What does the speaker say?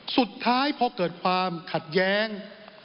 สุดท้ายพอเกิดความขัดแย้ง